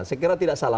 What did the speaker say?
saya kira tidak salah